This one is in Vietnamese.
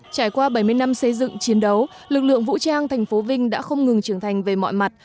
trải qua bảy mươi năm xây dựng chiến đấu lực lượng vũ trang thành phố vinh đã không ngừng trưởng thành về mọi mặt